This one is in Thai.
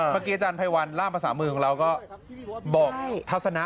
อาจารย์ไพรวัลล่ามภาษามือของเราก็บอกทัศนะ